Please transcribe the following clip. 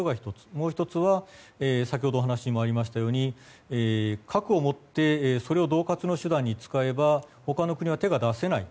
もう１つは先ほどお話にもありましたように核をもって恫喝の手段に使えば他の国は手が出せない。